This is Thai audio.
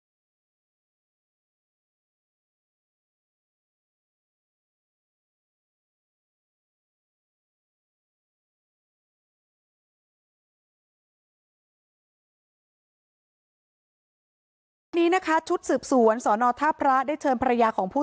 ตอนนั้นก็มีลูกชายไว้๒๐วันที่แม่ยายอุ้มอยู่